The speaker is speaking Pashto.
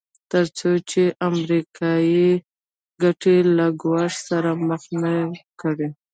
تر څو چې امریکایي ګټې له ګواښ سره مخ نه کړي.